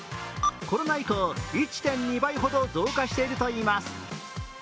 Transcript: コロナ以降、１．２倍ほど増加しているといいます。